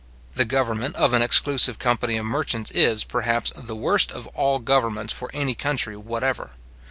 The government of an exclusive company of merchants is, perhaps, the worst of all governments for any country whatever.